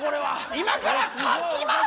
今から書きます！